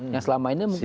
yang selama ini mungkin